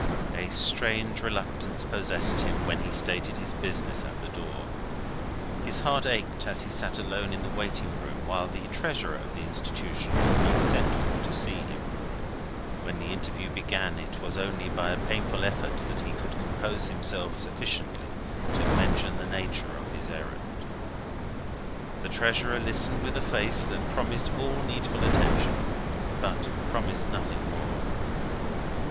A strange reluctance possessed him, when he stated his business at the door. His heart ached as he sat alone in the waiting room while the Treasurer of the institution was being sent for to see him. When the interview began, it was only by a painful effort that he could compose himself sufficiently to mention the nature of his errand. The Treasurer listened with a face which promised all needful attention, and promised nothing more.